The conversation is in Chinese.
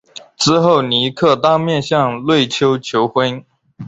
之后尼克当面向瑞秋求婚。